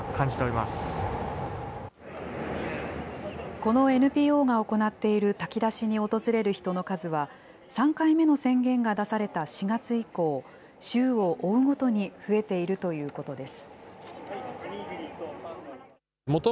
このＮＰＯが行っている炊き出しに訪れる人の数は、３回目の宣言が出された４月以降、週を追うごとに増えているということです。